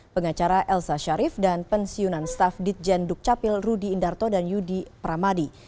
pengacara elsa sharif dan pensiunan staf ditjen dukcapil rudy indarto dan yudi pramadi